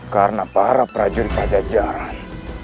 karena para prajurit pajak jarang